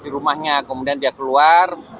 di rumahnya kemudian dia keluar